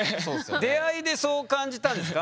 出会いでそう感じたんですか？